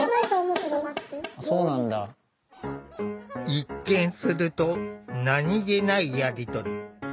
一見すると何気ないやり取り。